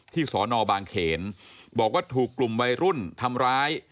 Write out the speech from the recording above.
สอนอบางเขนบอกว่าถูกกลุ่มวัยรุ่นทำร้าย